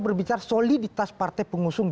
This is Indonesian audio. berbicara soliditas partai pengusung